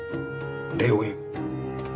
礼を言う。